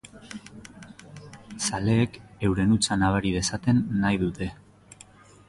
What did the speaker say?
Zaleek euren hutsa nabari dezaten nahi dute.